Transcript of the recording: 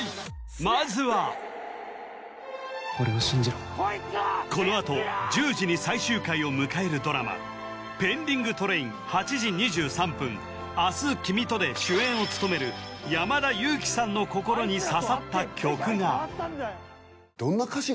まずはこのあと１０時に最終回を迎えるドラマ「ペンディングトレイン−８時２３分、明日君と」で主演を務める山田くんにはあ